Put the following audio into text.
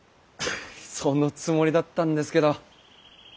そのつもりだったんですけど。